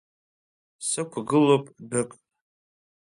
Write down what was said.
Сықәгылоуп дәык.